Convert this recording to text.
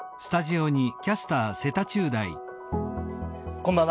こんばんは。